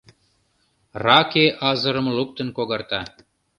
Раке азырым луктын когарта.